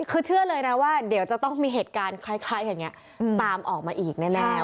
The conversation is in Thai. คือเชื่อเลยนะว่าเดี๋ยวจะต้องมีเหตุการณ์คล้ายอย่างนี้ตามออกมาอีกแน่